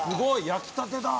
焼きたてだ！